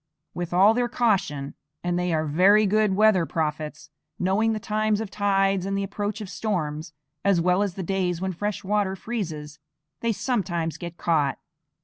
With all their caution, and they are very good weather prophets, knowing the times of tides and the approach of storms, as well as the days when fresh water freezes, they sometimes get caught.